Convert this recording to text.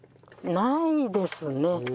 ないですね。